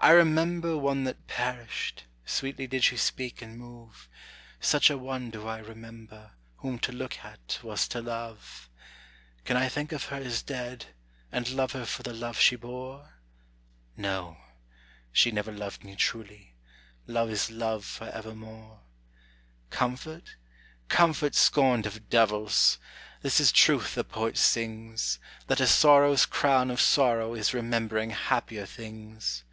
I remember one that perished; sweetly did she speak and move; Such a one do I remember, whom to look at was to love. Can I think of her as dead, and love her for the love she bore? No, she never loved me truly; love is love forevermore. Comfort? comfort scorned of devils; this is truth the poet sings, That a sorrow's crown of sorrow is remembering happier things.